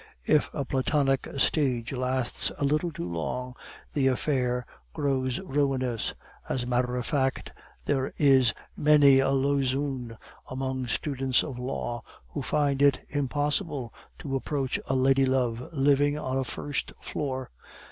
If the Platonic stage lasts a little too long, the affair grows ruinous. As a matter of fact, there is many a Lauzun among students of law, who finds it impossible to approach a ladylove living on a first floor.